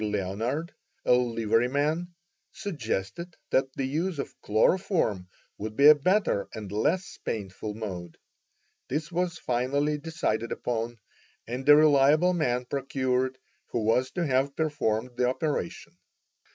B. Leonard, a liveryman, suggested that the use of chloroform would be a better and less painful mode. This was finally decided upon, and a reliable man procured, who was to have performed the operation.